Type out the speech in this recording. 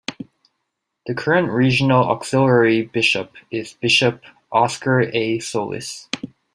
The current regional auxiliary bishop is Bishop Oscar A. Solis.